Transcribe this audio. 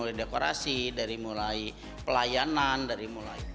mulai dekorasi dari mulai pelayanan dari mulai